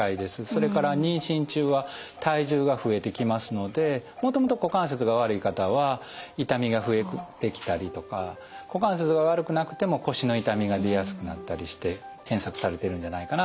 それから妊娠中は体重が増えてきますのでもともと股関節が悪い方は痛みが増えてきたりとか股関節が悪くなくても腰の痛みが出やすくなったりして検索されてるんじゃないかなと思います。